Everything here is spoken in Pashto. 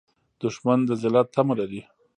دښمن د ذلت تمه لري